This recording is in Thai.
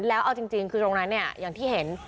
แล้วเอาจริงคือตรงนั้นเนี่ยอย่างที่เห็น